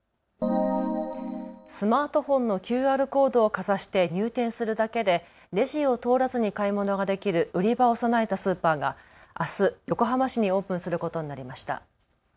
スマートフォンのＱＲコードをかざして入店するだけでレジを通らずに買い物ができる売り場を備えたスーパーがあす、横浜市にオープンすることになりました。